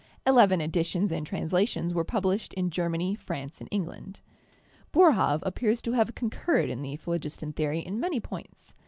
Eleven editions and translations were published in Germany, France, and England. Boerhaave appears to have concurred in the phlogiston theory in many points.